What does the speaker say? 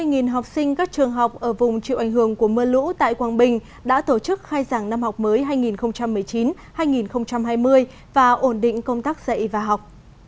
gần một học sinh các trường học ở vùng chịu ảnh hưởng của mưa lũ tại quảng bình đã tổ chức khai giảng năm học mới hai nghìn một mươi chín hai nghìn hai mươi và ổn định công tác dạy và học